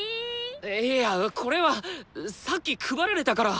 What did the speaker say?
いやこれはさっき配られたから。